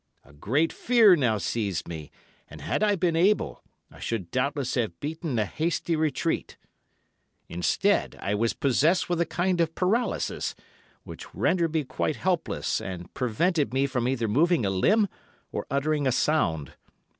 A great fear now seized me, and had I been able, I should doubtless have beaten a hasty retreat. Instead, I was possessed with a kind of paralysis, which rendered me quite helpless and prevented me from either moving a limb or uttering a sound.